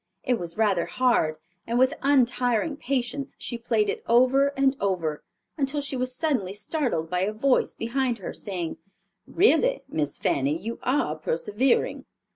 It was rather hard and with untiring patience she played it over and over, until she was suddenly startled by a voice behind her, saying, "Really, Miss Fanny, you are persevering."